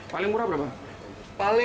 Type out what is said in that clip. paling murah berapa